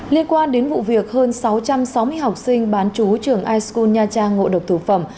liên quan đến vụ việc hơn sáu trăm sáu mươi học sinh bán chú trường ischu nha trang ngộ độc thực phẩm